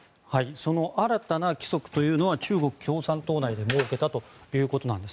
その新たな規則を中国共産党内で設けたということなんです。